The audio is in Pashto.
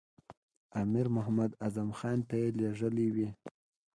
امیر محمد اعظم خان ته یې لېږلی وي.